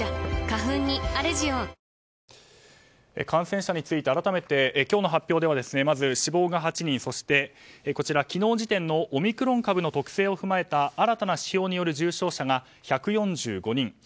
感染者について改めて今日の発表ではまず死亡が８人そして昨日時点のオミクロン株の特性を踏まえた新たな指標による重症者が１４５人。